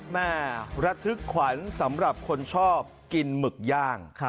แม่ระทึกขวัญสำหรับคนชอบกินหมึกย่าง